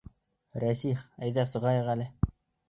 Рәсих, әйҙә сығайыҡ әле.